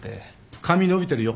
髪伸びてるよ。